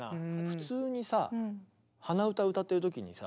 普通にさ鼻歌歌ってる時にさ